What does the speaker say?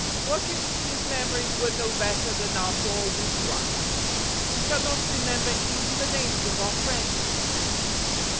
What if His memory were no better than our poor weak ones! We cannot remember even the names of our friends